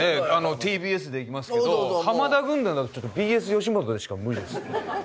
ＴＢＳできますけど浜田軍団だとちょっとＢＳよしもとでしか無理です